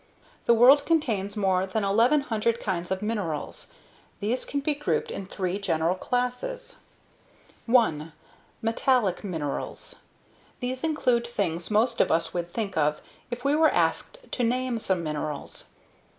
The world contains more than 1,100 kinds of minerals. These can be grouped in three general classes. 1. METALLIC MINERALS. These include things most of us would think of if we were asked to name some minerals.